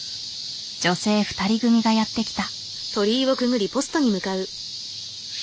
女性２人組がやって来た。